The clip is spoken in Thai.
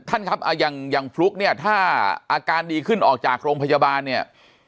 ท่านครับอย่างฟลุ๊กเนี่ยถ้าอาการดีขึ้นออกจากโรงพยาบาลเนี่ย